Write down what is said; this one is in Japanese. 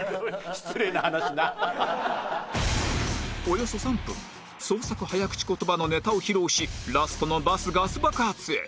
およそ３分創作早口言葉のネタを披露しラストの「バスガス爆発」へ！